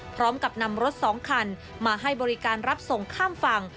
พร้อมกับนำรถ๒คันมาให้บริการรับส่งข้ามฝั่ง